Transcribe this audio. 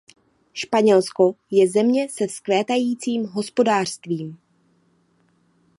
Španělsko je země se vzkvétajícím hospodářstvím.